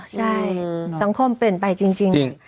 เอ้อใช่ดีสังคมเปลี่ยนไปจริงจริงจริง